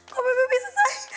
kok bebe bisa shay